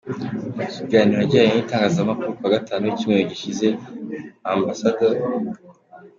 Mu kiganiro yagiranye n’itangazamakuru ku wa Gatanu w’icyumweru gishize, Amb.